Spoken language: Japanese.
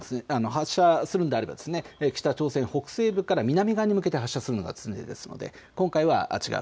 発射するのであれば北朝鮮北西部から南側に向けて発射するの常ですので今回は違う。